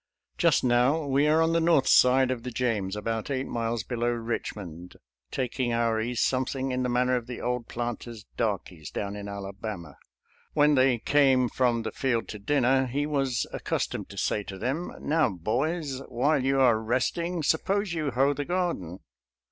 Just now we are on the north side of the James, about eight miles below Eichmond, tak ing onr ease something in the manner of the old planter's darkies down in Alabama. When they came from the field to dinner, he was accus tomed to say to them, " Now, boys, while you are resting, suppose you hoe the garden."